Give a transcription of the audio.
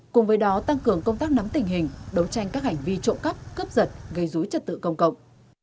cùng với đó tăng cường công tác nắm tình hình đấu tranh các hành vi trộm cắp cướp giật gây dối trật tự công cộng